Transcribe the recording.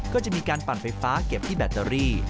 ก็จะมีการปั่นไฟฟ้าเก็บที่แบตเตอรี่